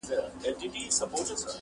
د گل د رويه اغزى هم اوبېږي.